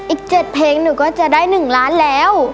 อีกเจ็ดเพลงหนูก็จะได้หนึ่งล้านแล้ว